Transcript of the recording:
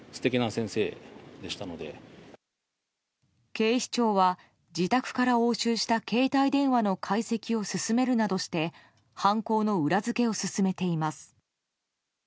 警視庁は自宅から押収した携帯電話の解析を進めるなどして犯行の裏付けを進めています。